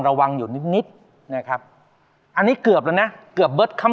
เลยขออนุญาตถามจากฝั่งกรรมการลูกทุม